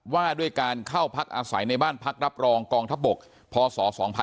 ว่าด้วยการเข้าพักอาศัยในบ้านพักรับรองกองทัพบกพศ๒๕๖๒